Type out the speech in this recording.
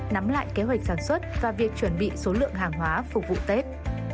nắm lại kế hoạch sản xuất và việc chuẩn bị số lượng hàng hóa phục vụ tết